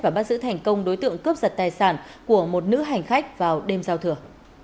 và bắt giữ thành công đối tượng cướp giật tài sản của một nữ hành khách vào đêm giao thừa